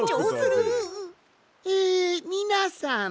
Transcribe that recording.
えみなさん！